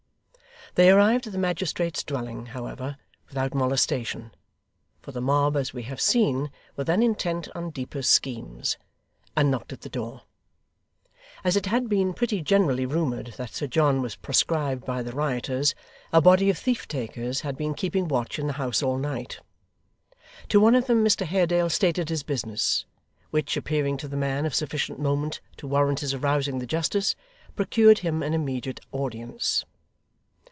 They arrived at the magistrate's dwelling, however, without molestation (for the mob, as we have seen, were then intent on deeper schemes), and knocked at the door. As it had been pretty generally rumoured that Sir John was proscribed by the rioters, a body of thief takers had been keeping watch in the house all night. To one of them Mr Haredale stated his business, which appearing to the man of sufficient moment to warrant his arousing the justice, procured him an immediate audience.